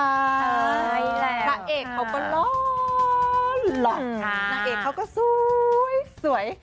อ้าวนั่งเอกเขาก็ล้อล้อนั่งเอกเขาก็ซุ้ยสวย